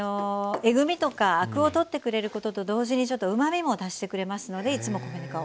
えぐみとかアクを取ってくれることと同時にちょっとうまみも足してくれますのでいつも米ぬかを使っています。